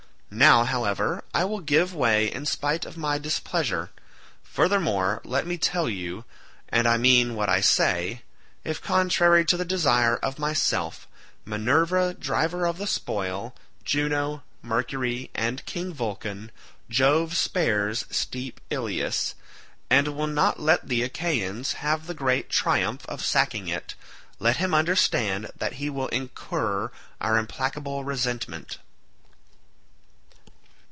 Now, however, I will give way in spite of my displeasure; furthermore let me tell you, and I mean what I say—if contrary to the desire of myself, Minerva driver of the spoil, Juno, Mercury, and King Vulcan, Jove spares steep Ilius, and will not let the Achaeans have the great triumph of sacking it, let him understand that he will incur our implacable resentment."